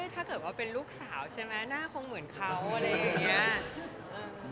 ถ้าเกิดว่าเป็นลูกสาวใช่ไหมหน้าคงเหมือนเขาอะไรอย่างนี้